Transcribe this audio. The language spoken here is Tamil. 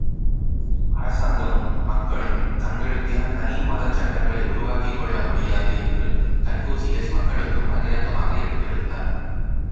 அரசாங்கமும், மக்களும் தங்களுக்கென தனி மதச் சட்டங்களை உருவாக்கிக்கொள்ள முடியாது என்று கன்பூசியஸ் மக்களுக்கும் பகிரங்கமாக எடுத்துரைத்தார்.